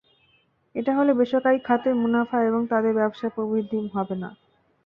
এটা হলে বেসরকারি খাতের মুনাফা এবং তাদের ব্যবসার প্রবৃদ্ধি হবে না।